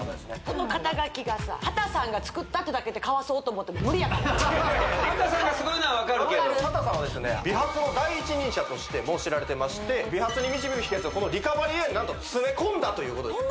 この肩書がさ波多さんが作ったってだけで買わそうと思っても無理やからな波多さんがすごいのは分かるけど波多さんはですね美髪の第一人者としても知られてまして美髪に導く秘訣はこのリカバリーエアーに何と詰め込んだということです